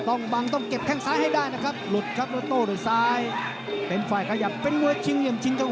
ฝ่ายน้ำเงินจะได้เปรียบนะครับท่านเงินชนเล็ก